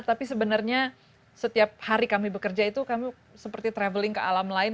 tapi sebenarnya setiap hari kami bekerja itu kami seperti traveling ke alam lain